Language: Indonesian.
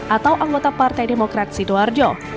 atau anggota partai demokrat sidoarjo